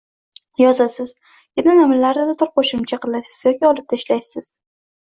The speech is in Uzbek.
Yozasiz, yana nimalarnidir qo‘shimcha qilasiz yoki olib tashlaysiz